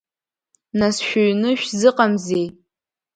Нас шәыҩны шәзыҟамзеи?